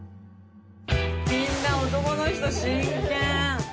みんな男の人真剣。